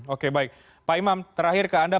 oke baik pak imam terakhir ke anda